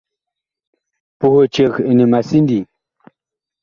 Puh eceg ɛnɛ ma sindii.